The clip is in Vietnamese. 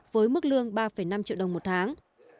với mức lương ba năm triệu đồng một tháng